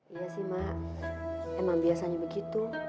iya sih mak emang biasanya begitu